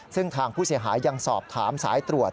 ซึ่งทางผู้เสียหายยังสอบถามสายตรวจ